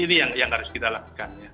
ini yang harus kita lakukan